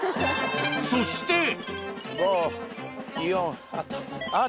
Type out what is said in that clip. そして５・４あったあっ